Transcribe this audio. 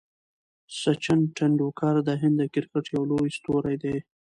سچن ټندولکر د هند د کرکټ یو لوی ستوری دئ.